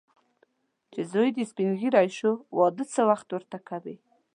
چې زوی دې سپین ږیری شو، واده څه وخت ورته کوې.